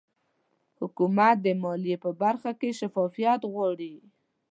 حکومت د مالیې په برخه کې شفافیت غواړي